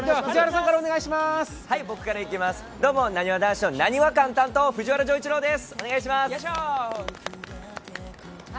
どうもなにわ男子のなにわかん担当藤原丈一郎です。